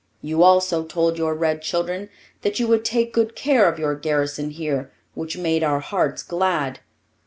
You also told your red children that you would take good care of your garrison here, which made our hearts glad.